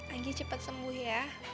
anggi cepet sembuh ya